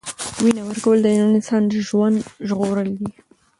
وینه ورکول د یو انسان ژوند ژغورل دي.